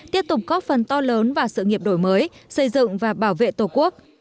tiếp tục góp phần to lớn vào sự nghiệp đổi mới xây dựng và bảo vệ tổ quốc